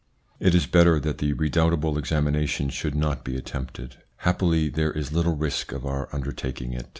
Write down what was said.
It is better that the redoubtable examination should not be attempted. Happily there is little risk of our undertaking it.